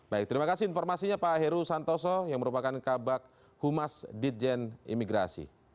baik terima kasih informasinya pak heru santoso yang merupakan kabak humas ditjen imigrasi